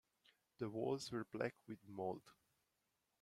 The walls were black with mould.